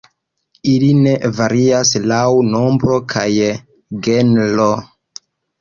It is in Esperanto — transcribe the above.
Ili ne varias laŭ nombro kaj genro.